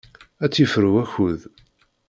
Ad tt-yefru wakud.